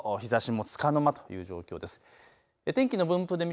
ほとんど日ざしもつかの間という状況です。